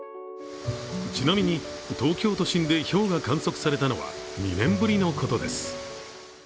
ちなみに、東京都心でひょうが観測されたのは２年ぶりのことです。